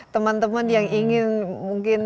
teman teman yang ingin mungkin